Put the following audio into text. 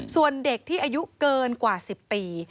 ส่วนเด็กที่อายุเกินกว่า๑๐ปี